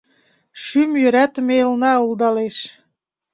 Шӱм йӧратыме элна улдалеш.